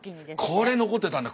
これ残ってたんだ。